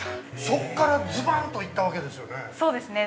◆そこからズバンといったわけですよね。